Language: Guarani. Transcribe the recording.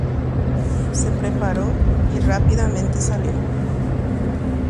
Oñembosako'i ha pya'e porã osẽ ohopa heseve.